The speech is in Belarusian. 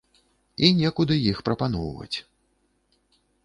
І некуды іх прапаноўваць.